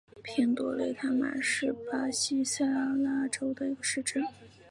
平多雷塔马是巴西塞阿拉州的一个市镇。